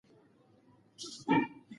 ده د خلکو باور له منځه يووړ نه کړ.